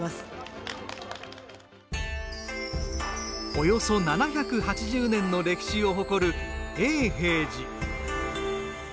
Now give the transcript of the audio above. およそ７８０年の歴史を誇る永平寺。